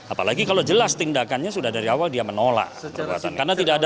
apalagi kalau jelas tindakannya sudah dari awal dia menolak